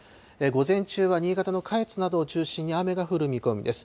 午前中は新潟の下越などを中心に雨が降る見込みです。